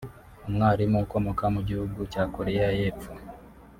umwarimu ukomoka mu gihugu cya Korea y’epfo